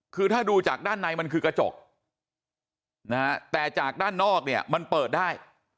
คือถ้าดูจากด้านในมันคือกระจกนะฮะแต่จากด้านนอกเนี่ยมันเปิดได้